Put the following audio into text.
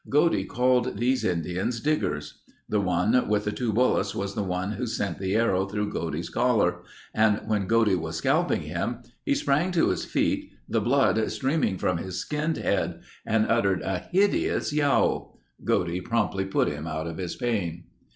Godey called these Indians "Diggars." The one with the two bullets was the one who sent the arrow through Godey's collar and when Godey was scalping him, "he sprang to his feet, the blood streaming from his skinned head and uttered a hideous yowl." Godey promptly put him out of his pain.